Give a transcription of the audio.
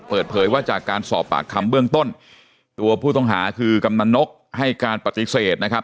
เปิดเผยว่าจากการสอบปากคำเบื้องต้นตัวผู้ต้องหาคือกำนันนกให้การปฏิเสธนะครับ